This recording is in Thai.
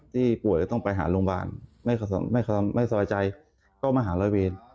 ป่วยแล้วต้องไปหาโรงพยาบาลไม่สบายใจก็มาหาร้อยเวร